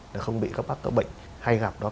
để không bị các bác có bệnh hay gặp đó